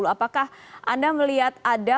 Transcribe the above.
apakah anda melihat ada